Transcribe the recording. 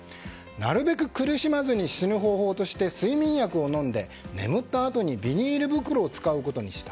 なるべく苦しまずに死ぬ方法として、睡眠薬を飲んで眠ったあとにビニール袋を使うことにした。